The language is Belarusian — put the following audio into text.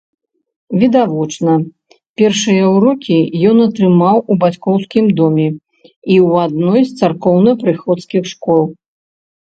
Відавочна, першыя ўрокі ён атрымаў у бацькоўскім доме і ў адной з царкоўна-прыходскіх школ.